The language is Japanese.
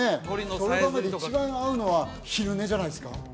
その中で一番合うのは昼寝じゃないですか？